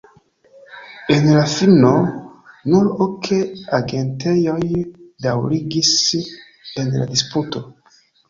En la fino, nur ok agentejoj daŭrigis en la disputo.